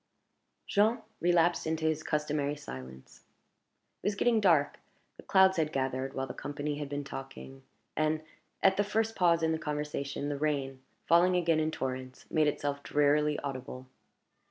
Jean relapsed into his customary silence. It was getting dark; the clouds had gathered while the company had been talking; and, at the first pause in the conversation, the rain, falling again in torrents, made itself drearily audible.